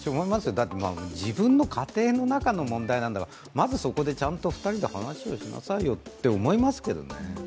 だって自分の家庭の中の問題なんだからまずそこでちゃんと２人で話をしなさいよと思いますけどね。